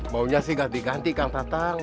baunya sih ganti ganti kang tatang